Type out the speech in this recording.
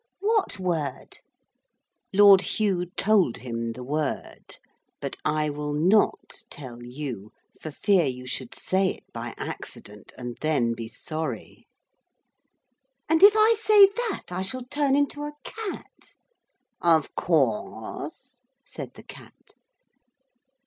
'What word?' Lord Hugh told him the word; but I will not tell you, for fear you should say it by accident and then be sorry. 'And if I say that, I shall turn into a cat?' 'Of course,' said the cat.